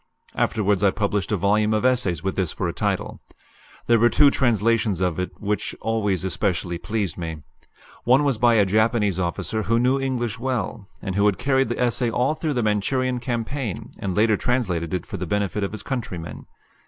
Afterwards I published a volume of essays with this for a title. There were two translations of it which always especially pleased me. One was by a Japanese officer who knew English well, and who had carried the essay all through the Manchurian campaign, and later translated it for the benefit of his countrymen.